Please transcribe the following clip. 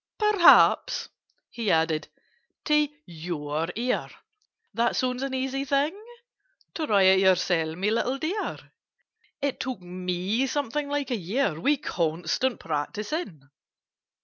"Perhaps," he added, "to your ear That sounds an easy thing? Try it yourself, my little dear! It took me something like a year, With constant practising.